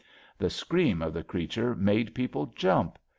The scream of the creatnre made people jump.